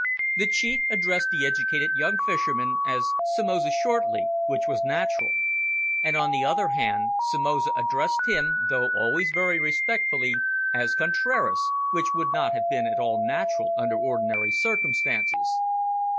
The chief addressed the educated young fisherman as Somoza shortly, which was natural. And, on the other hand, Somoza addressed him, though always very respectfully, as Contraras, which would not have been at all natural, under ordinary circumstances.